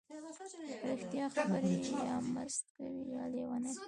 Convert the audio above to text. ـ رښتیا خبرې یا مست کوي یا لیوني.